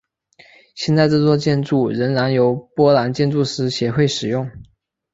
现在这座建筑仍然由波兰建筑师协会使用。